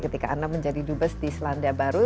ketika anda menjadi dubes di selandia baru